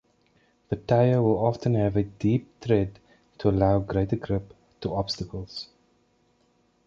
The tire will often have a deep tread to allow greater grip to obstacles.